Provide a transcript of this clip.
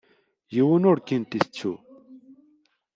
Yiwen ur kent-itettu.